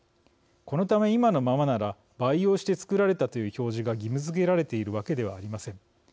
このため、今のままなら「培養して作られた」という表示が義務づけられているわけではありません。